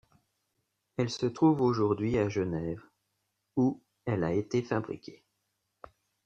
Elle se trouve aujourd'hui à Genève où elle a été fabriquée.